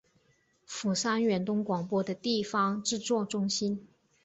釜山远东广播的地方制作中心。